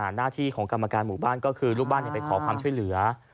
หน้าที่ของกรรมการหมู่บ้านก็คือลูกบ้านไปขอความช่วยเหลือ